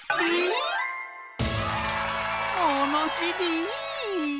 ものしり！